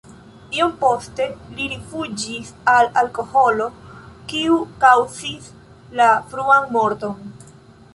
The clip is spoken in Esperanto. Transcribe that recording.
Iom poste li rifuĝis al alkoholo, kiu kaŭzis la fruan morton.